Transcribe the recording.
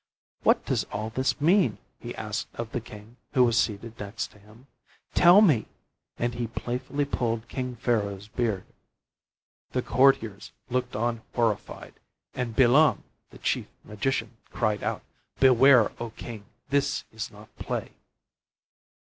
"What does all this mean?" he asked of the king who was seated next to him. "Tell me," and he playfully pulled King Pharaoh's beard. The courtiers looked on horrified, and Bilam, the chief magician, cried out, "Beware, O king, this is not play."